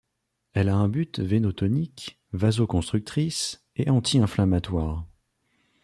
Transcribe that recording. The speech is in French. Elle a un but veinotonique, vasoconstrictrice et anti-inflammatoire.